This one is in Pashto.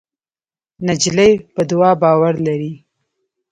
نجلۍ په دعا باور لري.